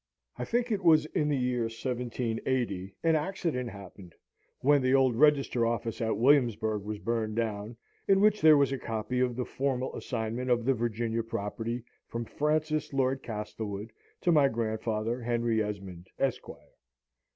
I think it was in the year 1780 an accident happened, when the old Register Office at Williamsburg was burned down, in which there was a copy of the formal assignment of the Virginia property from Francis Lord Castlewood to my grandfather Henry Esmond, Esquire.